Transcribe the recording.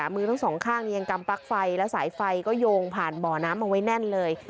มือทั้งสองข้างยังกำปลั๊กไฟแล้วสายไฟก็โยงผ่านบ่อน้ำเอาไว้แน่นเลย